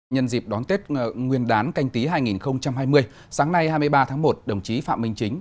nhân dịp đón tết nguyên đán canh tí hai nghìn hai mươi sáng nay hai mươi ba tháng một đồng chí phạm minh chính